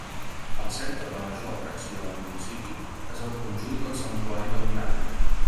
El centre de major atracció del municipi és el conjunt del Santuari del Miracle.